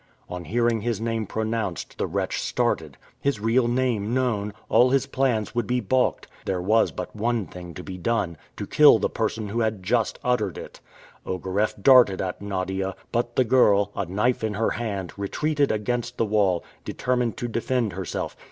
On hearing his name pronounced, the wretch started. His real name known, all his plans would be balked. There was but one thing to be done: to kill the person who had just uttered it. Ogareff darted at Nadia; but the girl, a knife in her hand, retreated against the wall, determined to defend herself.